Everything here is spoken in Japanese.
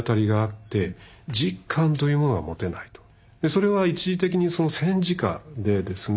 それは一時的に戦時下でですね